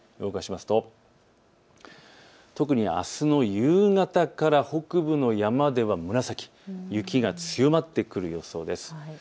動かしますと特にあすの夕方から北部の山では紫、雪が強まってくる予想です。